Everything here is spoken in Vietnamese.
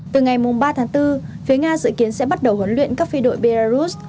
từ ngày ba tháng bốn phía nga dự kiến sẽ bắt đầu huấn luyện các phi đội belarus